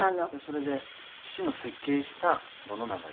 それで父の設計したものなので。